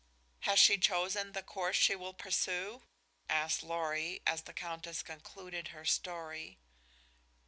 "Has she chosen the course she will pursue?" asked Lorry, as the Countess concluded her story.